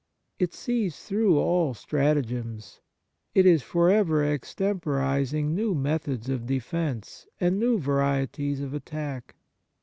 It sees through all stratagems. It is for ever extemporizing new methods of defence and new varieties of attack.